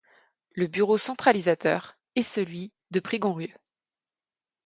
Le bureau centralisateur est celui de Prigonrieux.